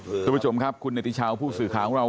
คุณพุธผู้ชมครับคุณนัคษิชาวผู้กับสื่อค้ากลังกรณีว่า